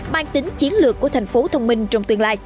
mang tính chiến lược của thành phố thông minh trong tương lai